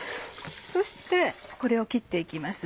そしてこれを切って行きます。